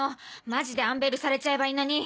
マジでアンベイルされちゃえばいいのに！